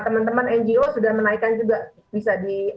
teman teman ngo sudah menaikkan juga